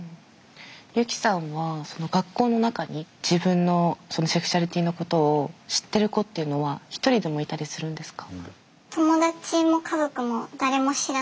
ユキさんは学校の中に自分のセクシュアリティーのことを知ってる子っていうのは一人でもいたりするんですか？